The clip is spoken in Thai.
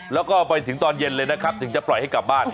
แล้วก็ไปถึงตอนเย็นเลยนะครับถึงจะปล่อยให้กลับบ้าน